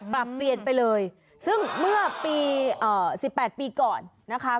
ปรับเปลี่ยนไปเลยซึ่งเมื่อปี๑๘ปีก่อนนะคะ